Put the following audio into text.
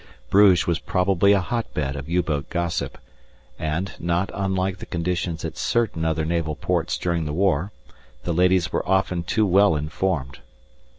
_ _Bruges was probably a hot bed of U boat gossip, and, not unlike the conditions at certain other Naval ports during the war, the ladies were often too well informed.